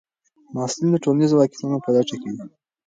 محصلین د ټولنیزو واقعیتونو په لټه کې دي.